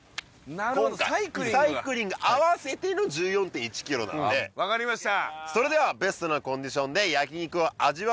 今回サイクリング合わせての１４．１ｋｍなので分かりました